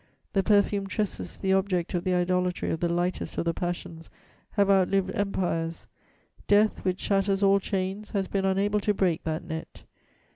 The perfumed tresses, the object of the idolatry of the lightest of the passions, have outlived empires; death, which shatters all chains, has been unable to break that net.